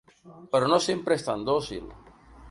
Però no sempre és tan dòcil.